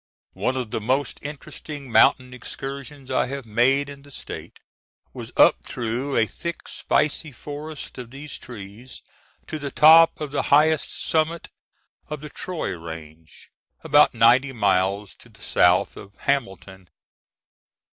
One of the most interesting mountain excursions I have made in the State was up through a thick spicy forest of these trees to the top of the highest summit of the Troy Range, about ninety miles to the south of Hamilton.